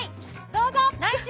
どうぞ！